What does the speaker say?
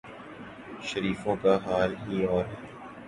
شریفوں کا حال ہی اور ہے۔